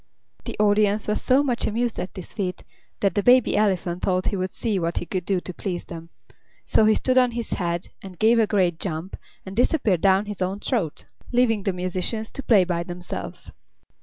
The audience was so much amused at this feat that the Baby Elephant thought he would see what he could do to please them; so he stood on his head and gave a great jump, and disappeared down his own throat, leaving the musicians to play by themselves.